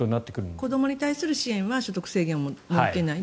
子どもに対する支援は所得制限を設けない。